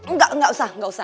nggak nggak usah nggak usah